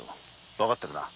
わかっているな。